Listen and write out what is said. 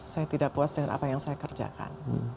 saya tidak puas dengan apa yang saya kerjakan